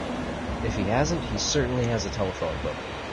If he hasn't he certainly has a telephone book.